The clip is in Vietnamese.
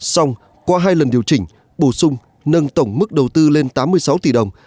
xong qua hai lần điều chỉnh bổ sung nâng tổng mức đầu tư lên tám mươi sáu tỷ đồng